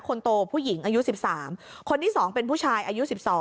คนโตผู้หญิงอายุ๑๓คนที่๒เป็นผู้ชายอายุ๑๒